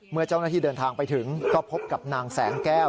เมื่อเจ้าหน้าที่เดินทางไปถึงก็พบกับนางแสงแก้ว